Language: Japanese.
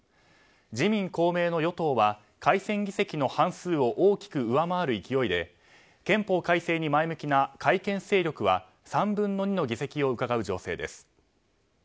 自民・公明の与党は改選議席の過半数を大きく上回る勢いで憲法改正に前向きな改憲勢力は３分の２の議席をうかがう情勢です。